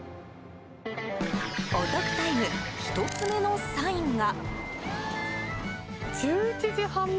お得タイム１つ目のサインが。